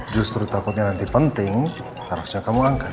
justru takutnya nanti penting harusnya kamu angkat